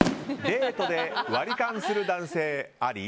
デートで割り勘する男性あり？